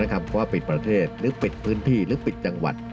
อันดับความพรรดิประเทศหรือปิดพื้นที่หรือปิดจังหวัด